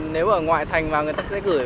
nếu ở ngoại thành và người ta sẽ gửi